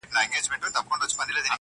• لار یې ورکه کړه په ځان پوري حیران سو -